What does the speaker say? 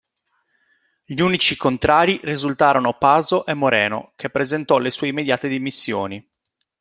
Gli unici contrari risultarono Paso e Moreno, che presentò le sue immediate dimissioni.